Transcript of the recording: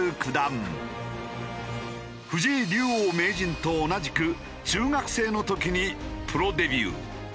藤井竜王・名人と同じく中学生の時にプロデビュー。